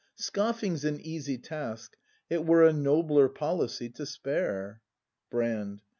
Scoffing's an easy task: it were A nobler policy to spare Brand.